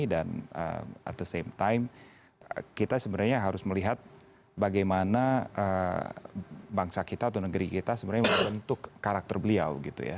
dan at the same time kita sebenarnya harus melihat bagaimana bangsa kita atau negeri kita sebenarnya membentuk karakter beliau